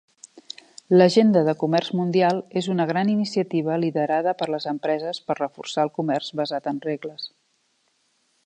L'Agenda de Comerç Mundial és una gran iniciativa liderada per les empreses per reforçar el comerç basat en regles.